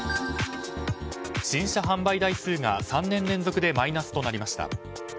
新車販売台数が３年連続でマイナスとなりました。